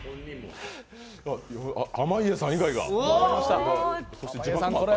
濱家さん以外が。